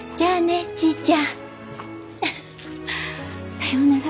さようなら。